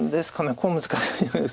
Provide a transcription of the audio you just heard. ここ難しいです。